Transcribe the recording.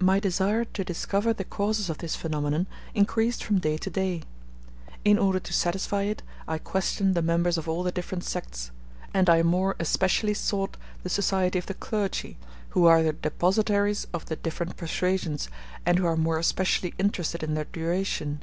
My desire to discover the causes of this phenomenon increased from day to day. In order to satisfy it I questioned the members of all the different sects; and I more especially sought the society of the clergy, who are the depositaries of the different persuasions, and who are more especially interested in their duration.